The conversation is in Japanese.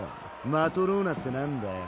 マトローナってなんだよ？